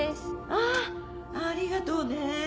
あありがとうね。